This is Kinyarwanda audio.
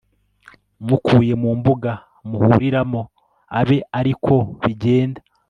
mukuye mu mbuga muhuriramo abe ari ko bigenda